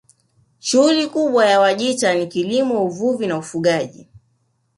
Shughuli kubwa ya Wajita ni kilimo uvuvi na ufugaji